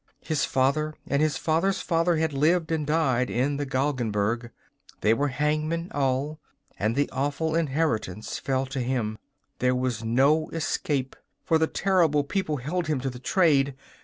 His father and his father's father had lived and died in the Galgenberg. They were hangmen all, and the awful inheritance fell to him: there was no escape, for the terrible people held him to the trade.